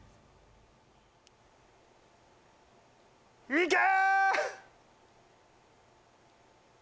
いけ！